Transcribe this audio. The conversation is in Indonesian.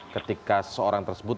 ketika seorang tersebut